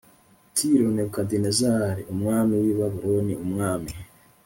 Tiro nebukadinezari umwami w i babuloni umwami